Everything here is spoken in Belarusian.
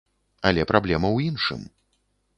Але праблема ў іншым.